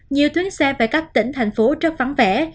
nhiều tuyến xe về các tỉnh thành phố rất vắng vẻ